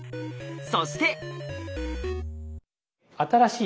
そして。